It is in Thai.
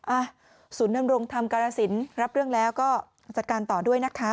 อ่ะศูนย์ดำรงธรรมกรสินรับเรื่องแล้วก็จัดการต่อด้วยนะคะ